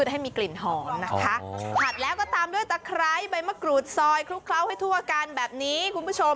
ให้มีกลิ่นหอมนะคะผัดแล้วก็ตามด้วยตะไคร้ใบมะกรูดซอยคลุกเคล้าให้ทั่วกันแบบนี้คุณผู้ชม